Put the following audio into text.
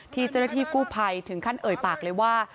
เจ้าหน้าที่กู้ภัยถึงขั้นเอ่ยปากเลยว่า